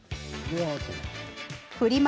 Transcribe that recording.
フリマ